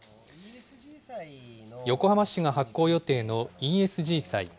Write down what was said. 横浜市が発行予定のＥＳＧ債。